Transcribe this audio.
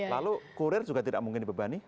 lalu kurir juga tidak mungkin dibebani